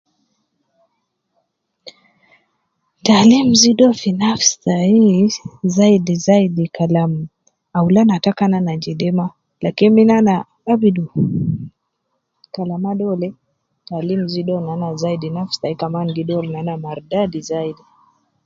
Taalim zidu uwo fi nafsi tayi zaidi zaidi Kalam aulan ata kan ana jede ma lakin min ana abidu kalama dole, taalim zidu uwo nanazaidi nafsi tai kaman gi doru nana mardadi zaidi